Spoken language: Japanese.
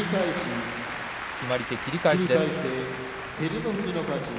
決まり手は切り返しです。